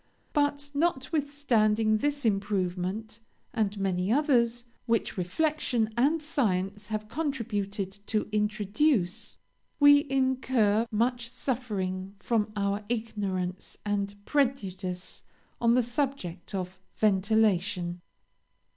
But, notwithstanding this improvement, and many others which reflection and science have contributed to introduce, we incur much suffering from our ignorance and prejudice on the subject of ventilation.